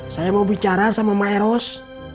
saya mau bicara sama maeros